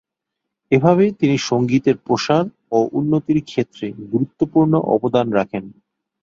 এভাবে তিনি সঙ্গীতের প্রসার ও উন্নতির ক্ষেত্রে গুরুত্বপূর্ণ অবদান রাখেন।